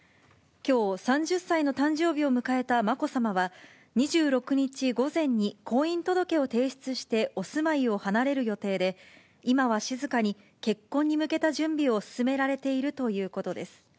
きょう３０歳の誕生日を迎えたまこさまは、２６日午前に婚姻届を提出してお住まいを離れる予定で、今は静かに結婚に向けた準備を進められているということです。